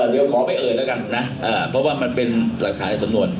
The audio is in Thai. เดี๋ยวขอไปเอ่ยแล้วกันนะเพราะว่ามันเป็นหลักฐานสำนวน